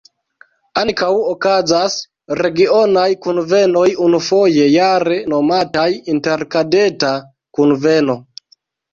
Ankaŭ okazas regionaj kunvenoj unufoje jare nomataj "interkadeta kunveno".